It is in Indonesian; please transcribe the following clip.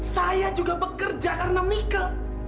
saya juga bekerja karena mike